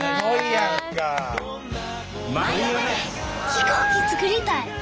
飛行機作りたい！